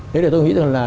thế là tôi nghĩ là